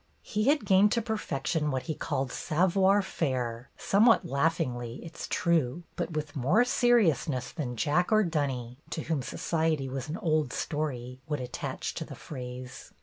He had gained to perfection what he called savoir faire^ somewhat laugh ingly, it 's true, but with more seriousness than Jack or Dunny, to whom society was an old story, would attach to the phrase.